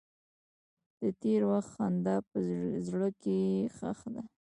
د تېر وخت خندا په زړګي کې ښخ ده.